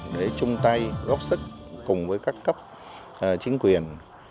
để chung tay góp sức cùng với các cấp chính quyền